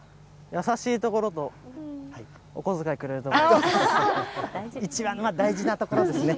優しいところと、お小遣いく一番、大事なところですね。